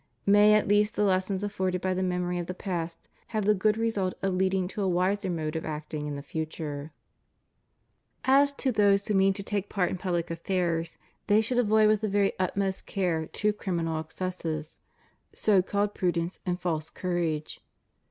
May at least the lessons afforded by the memory of the past have the good result of leading to a wiser mode of acting in the future. As to those who mean to take part in public affairs |« they should avoid with the very utmost care two criminal excesses: so called prudence and false courage.